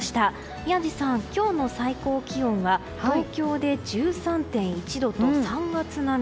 宮司さん、今日の最高気温は東京で１３．１度と３月並み。